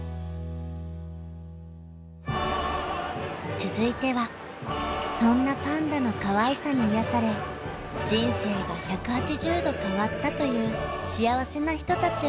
続いてはそんなパンダのかわいさに癒やされ人生が１８０度変わったという幸せな人たちをご紹介します。